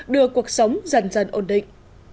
đưa cuộc sống dần dần ổn định